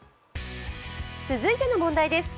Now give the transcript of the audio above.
続いての問題です。